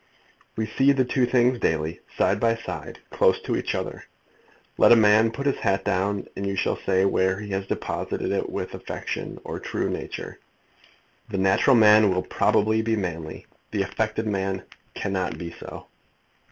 We see the two things daily, side by side, close to each other. Let a man put his hat down, and you shall say whether he has deposited it with affectation or true nature. The natural man will probably be manly. The affected man cannot be so.